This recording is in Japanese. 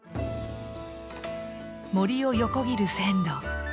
森を横切る線路。